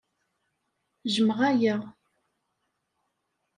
Jjmeɣ aya.